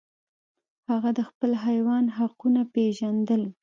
هغه د خپل حیوان حقونه پیژندل.